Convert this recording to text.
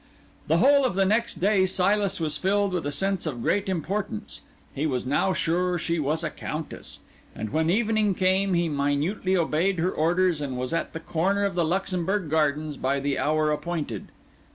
The whole of the next day Silas was filled with a sense of great importance; he was now sure she was a countess; and when evening came he minutely obeyed her orders and was at the corner of the Luxembourg Gardens by the hour appointed.